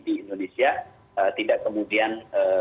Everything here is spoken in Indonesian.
di indonesia tidak kemudian